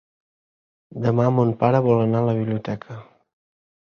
Demà mon pare vol anar a la biblioteca.